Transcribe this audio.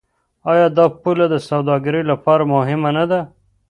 آیا دا پوله د سوداګرۍ لپاره مهمه نه ده؟